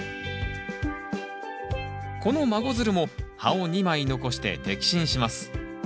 この孫づるも葉を２枚残して摘心します。